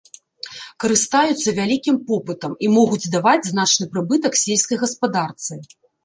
Карыстаюцца вялікім попытам і могуць даваць значны прыбытак сельскай гаспадарцы.